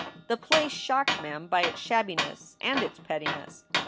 The place shocked Mem by its shabbi ness and its pettiness.